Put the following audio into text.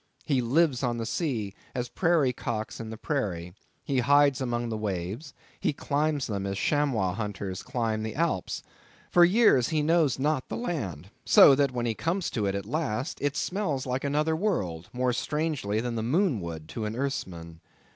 He lives on the sea, as prairie cocks in the prairie; he hides among the waves, he climbs them as chamois hunters climb the Alps. For years he knows not the land; so that when he comes to it at last, it smells like another world, more strangely than the moon would to an Earthsman.